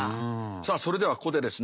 さあそれではここでですね